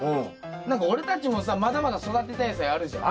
何か俺たちもさまだまだ育てたい野菜あるじゃん。